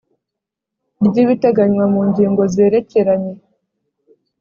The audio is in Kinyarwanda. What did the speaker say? ry ibiteganywa mu ngingo zerekeranye